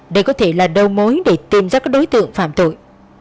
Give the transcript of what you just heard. đây có thể là đầu mối để tìm ra các đối tượng phạm tội